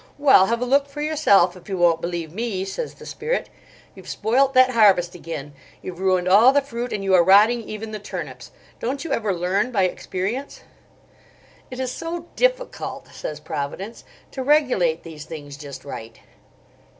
"Well, have a look for yourself if you won't believe me," says the Spirit. "You've spoilt that harvest again, you've ruined all the fruit, and you are rotting even the turnips. Don't you ever learn by experience?" "It is so difficult," says Providence, "to regulate these things just right."